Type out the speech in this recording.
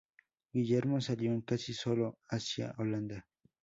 Guillermo salió, casi solo, hacia Holanda.